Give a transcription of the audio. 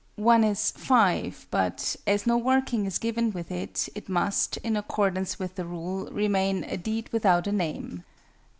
One is "5," but, as no working is given with it, it must, in accordance with the rule, remain "a deed without a name."